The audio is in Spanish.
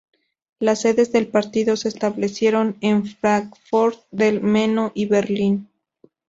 Las sedes del partido se establecieron en Fráncfort del Meno y Berlín.